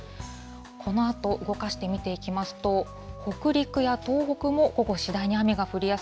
このあと、動かして見ていきますと、北陸や東北も午後、次第に雨が降りやす